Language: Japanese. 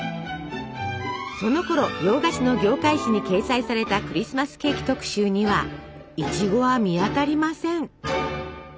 そのころ洋菓子の業界誌に掲載されたクリスマスケーキ特集にはいちごは見当たりません。